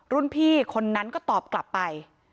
รุ่นพี่คนนั้นก็ตอบกลับไป